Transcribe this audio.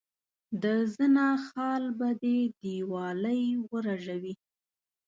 د زنه خال به دي دیوالۍ ورژوي.